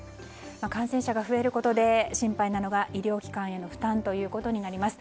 感染者が増えることで心配なのが医療機関への負担となります。